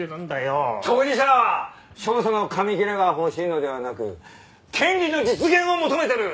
当事者は勝訴の紙切れが欲しいのではなく権利の実現を求めてる！